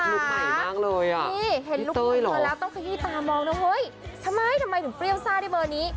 ชอบลูกใหม่มากเลยเย็นลูกแต่งน้ำไปเหมือนเดือด